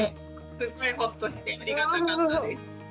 すっごいホッとしてありがたかったです。